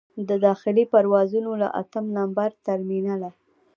د داخلي پروازونو له اتم نمبر ټرمینله.